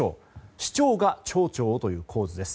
市長が町長をという構図です。